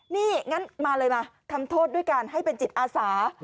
นี่งั้นมาเลยมาทำโทษด้วยการให้เป็นจิตอาสา